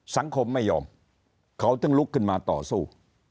สังคมไม่ยอมเขาถึงลุกขึ้นมาต่อสู้